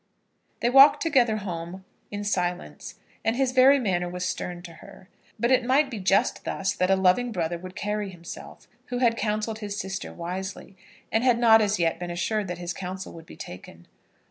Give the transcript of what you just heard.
They walked together home in silence, and his very manner was stern to her; but it might be just thus that a loving brother would carry himself who had counselled his sister wisely, and had not as yet been assured that his counsel would be taken.